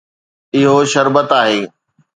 اهو شربت آهي